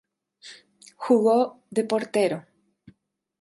Jugó de portero.